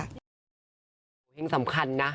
เหงอเฮ้งสำคัญนะ